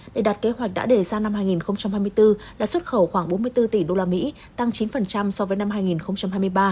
để đạt kế hoạch đã đề ra năm hai nghìn hai mươi bốn đã xuất khẩu khoảng bốn mươi bốn tỷ usd tăng chín so với năm hai nghìn hai mươi ba